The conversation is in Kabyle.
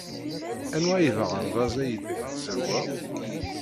Anwa ay d aɣerbaz aydeg tzerrwed?